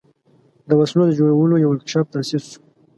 د وسلو د جوړولو یو ورکشاپ تأسیس شو.